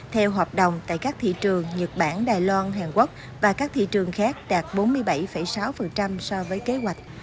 theo hợp đồng tại các thị trường nhật bản đài loan hàn quốc và các thị trường khác đạt bốn mươi bảy sáu so với kế hoạch